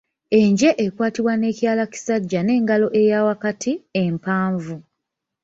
Enje ekwatibwa n'ekyalakisajja n'engalo eya wakati, empanvu.